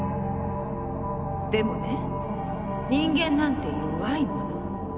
でもね人間なんて弱いもの。